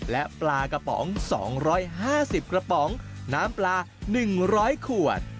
และปลากระป๋อง๒๕๐กระป๋องน้ำปลา๑๐๐ขวด